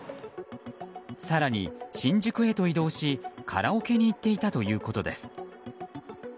更に新宿へと移動し、カラオケに行っていたということです。